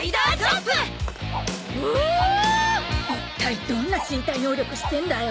一体どんな身体能力してんだよ。